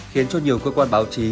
khiến cho nhiều cơ quan báo chí